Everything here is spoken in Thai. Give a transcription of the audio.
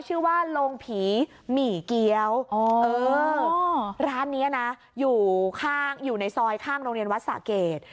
ชื่อว่าโรงผีหมี่เกี้ยวร้านนี้นะอยู่ข้างอยู่ในซอยข้างโรงเรียนวัดสะเกด